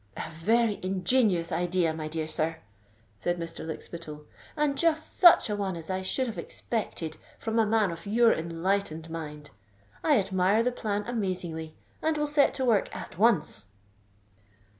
"A very ingenious idea, my dear sir," said Mr. Lykspittal, "and just such an one as I should have expected from a man of your enlightened mind. I admire the plan amazingly; and will set to work at once."